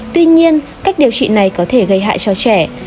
tuy nhiên cách điều trị này có thể gây hại cho trẻ